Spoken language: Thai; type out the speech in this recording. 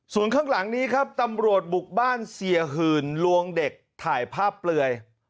ส่วนข้างหลังนี้ครับตำรวจบุกบ้านเสียหื่นลวงเด็กถ่ายภาพเปลือย